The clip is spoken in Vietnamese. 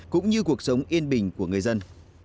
cũng như cuộc sống yên bình của người dân